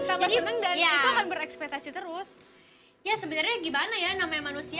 tapi enggak ya akan berekspetasi terus ya sebenarnya gimana ya namanya manusia